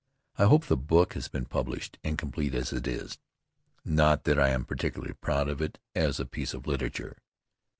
I hope the book has been published, incomplete as it is. Not that I am particularly proud of it as a piece of literature!